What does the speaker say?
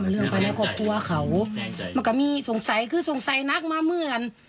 เรื่องไปแล้วเขาเขามันก็มีสงสัยคือสงสัยนักมาเมื่อน